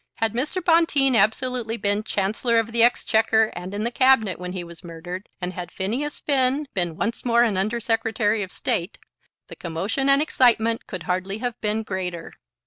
Had Mr. Bonteen absolutely been Chancellor of the Exchequer, and in the Cabinet when he was murdered, and had Phineas Finn been once more an Under Secretary of State, the commotion and excitement could hardly have been greater.